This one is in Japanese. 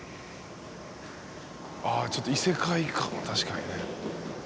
あぁちょっと異世界感確かにね。